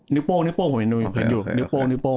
นิ้วโป้งผมยังดูเพลงอยู่